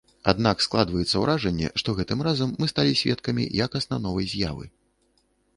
Аднак складваецца ўражанне, што гэтым разам мы сталі сведкамі якасна новай з'явы.